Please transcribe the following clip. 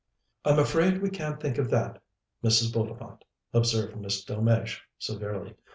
"I'm afraid we can't think of that, Mrs. Bullivant," observed Miss Delmege severely.